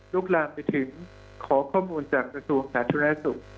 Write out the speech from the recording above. ลูกรามไปถึงขอข้อมูลจากประสูงศาสนัยสุข